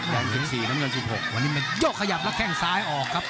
องถึง๔น้ำเงิน๑๖วันนี้มันโยกขยับแล้วแข้งซ้ายออกครับ